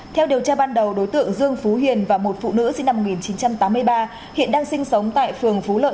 theo điều tra ban đầu đối tượng dương phú hiền và một phụ nữ sinh năm một nghìn chín trăm tám mươi ba hiện đang sinh sống tại phường phú lợi